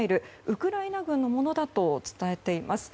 ウクライナ軍のものだと伝えています。